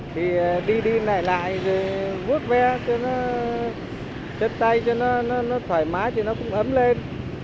thì đi đi lại lại rồi vước ve cho nó chất tay cho nó thoải mái thì nó cũng ấm lên